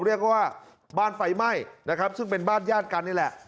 เรียกว่าบ้านไฟไหม้นะครับซึ่งเป็นบ้านญาติกันนี่แหละ